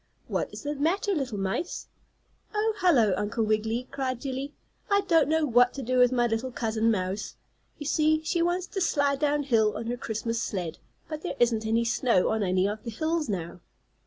"What is the matter, little mice?" "Oh, hello. Uncle Wiggily!" cried Jillie. "I don't know what to do with my little cousin mouse. You see she wants to slide down hill on her Christmas sled, but there isn't any snow on any of the hills now."